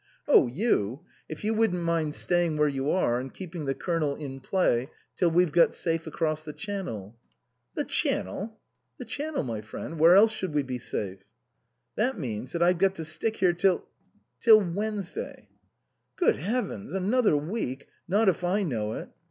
" Oh, you if you wouldn't mind staying where you are and keeping the Colonel in play till we've got safe across the Channel " "The Channel?" " The Channel, my friend. Where else should we be safe ?" "That means that I've got to stick here till "" Till Wednesday." " Good heavens ! Another week ! Not if I know it."